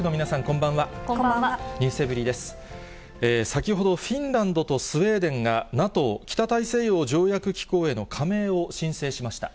先ほど、フィンランドとスウェーデンが、ＮＡＴＯ・北大西洋条約機構への加盟を申請しました。